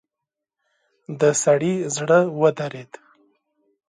د سړي زړه ودرېد.